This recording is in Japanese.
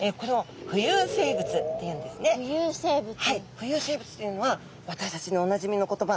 浮遊生物というのは私たちにおなじみの言葉